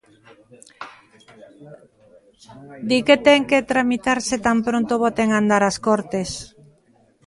Di que ten que tramitarse tan pronto boten a andar as Cortes.